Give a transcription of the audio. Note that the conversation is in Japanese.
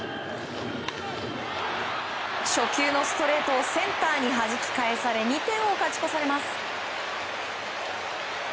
初球のストレートをセンターにはじき返され２点を勝ち越されます。